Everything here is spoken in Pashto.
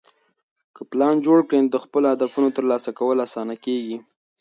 که پلان جوړ کړې، نو د خپلو هدفونو ترلاسه کول اسانه کېږي.